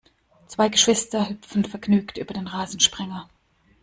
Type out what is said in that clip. Zwei Geschwister hüpfen vergnügt über den Rasensprenger.